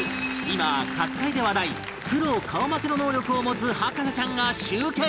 今各界で話題プロ顔負けの能力を持つ博士ちゃんが集結！